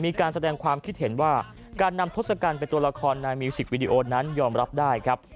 มีการแสดงความคิดเห็นว่าการนำทศกัณฐ์เป็นตัวละครนายมิวสิกวิดีโอนั้นยอมรับได้ครับ